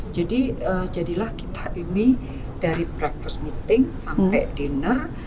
jadi jadilah kita ini dari breakfast meeting sampai dinner